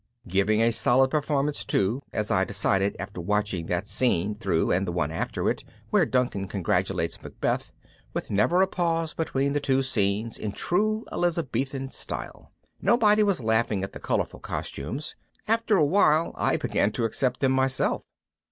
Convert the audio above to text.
Giving a solid performance, too, as I decided after watching that scene through and the one after it where Duncan congratulates Macbeth, with never a pause between the two scenes in true Elizabethan style. Nobody was laughing at the colorful costumes. After a while I began to accept them myself.